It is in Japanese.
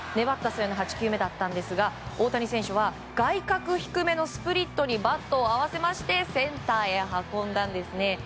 粘った末の８球目だったんですが大谷選手は外角低めのスプリットにバットを合わせましてセンターへ運んだんですね。